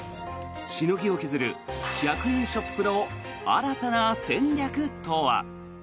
しのぎを削る１００円ショップの新たな戦略とは。